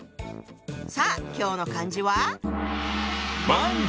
さあ今日の漢字は？